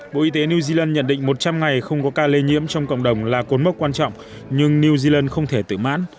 bộ y tế new zealand nhận định một trăm linh ngày không có ca lây nhiễm trong cộng đồng là cốn mốc quan trọng nhưng new zealand không thể tử mãn